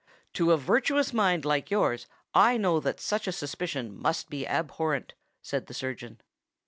"To a virtuous mind like yours I know that such a suspicion must be abhorrent," said the surgeon.